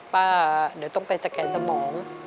ว่าเดี๋ยวต้องไปสแกนสมอง